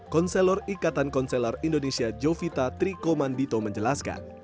konselor ikatan konselor indonesia jovita trikoman dito menjelaskan